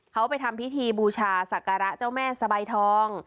เขาไปทำพิธีบูชาศักระเจ้าแม่สบายทอง